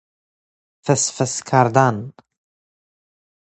فسفس کردن